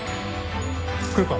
クーパー。